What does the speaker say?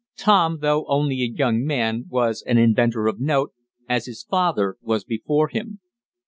Tom though only a young man, was an inventor of note, as his father was before him.